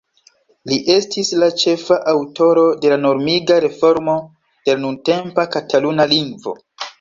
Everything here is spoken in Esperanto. Li estis la ĉefa aŭtoro de la normiga reformo de la nuntempa Kataluna lingvo.